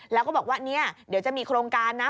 แล้วก็บอกว่าเนี่ยเดี๋ยวจะมีโครงการนะ